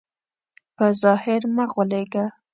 په ظاهر مه غولېږئ.